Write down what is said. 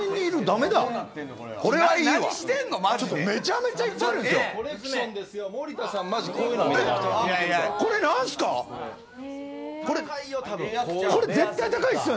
めちゃめちゃいっぱいあるんですよ。